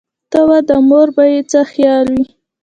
ته وا د مور به یې څه حال وي.